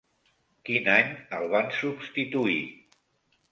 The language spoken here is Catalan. Quin any el van substituir?